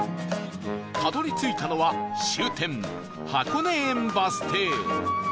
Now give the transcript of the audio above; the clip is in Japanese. たどり着いたのは終点箱根園バス停